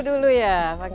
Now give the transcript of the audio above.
ini untuk harga masuk